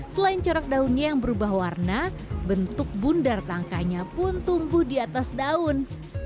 selain corak daunnya yang berubah warna bentuk bundar tangkanya pun tumbuh di atas daun